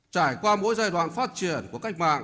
trải qua mỗi giai đoạn phát triển của cách mạng